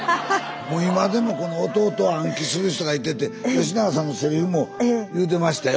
もう今でもこの「おとうと」を暗記する人がいてて吉永さんのセリフも言うてましたよ